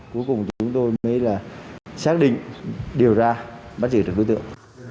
cuối cùng chúng tôi mới là xác định điều tra bắt giữ được đối tượng